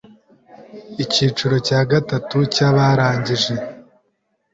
Icyiciro cya gatatu cy’abarangije